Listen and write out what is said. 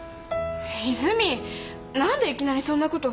泉何でいきなりそんなこと。